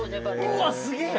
うわすげぇ！